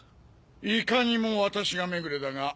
いかにも私が目暮だが。